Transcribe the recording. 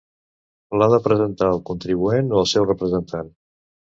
L'ha de presentar el contribuent o el seu representant.